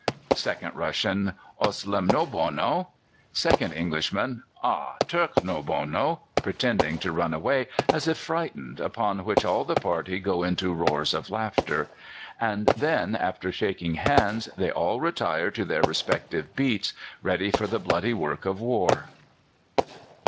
Second Russian: 'Oslem no bono!' Second Englishman: 'Ah, Turk no bono!' pretending to run away as if frightened, upon which all the party go into roars of laughter, and then, after shaking hands, they retire to their respective beats, ready for the bloody work of war."